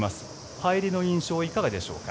入りの印象はいかがでしょうか？